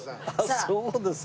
あっそうですか。